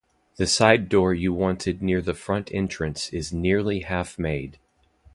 The side-door you wanted near the front entrance is nearly half made.